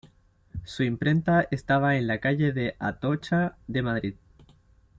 Su imprenta estaba en la calle de Atocha de Madrid.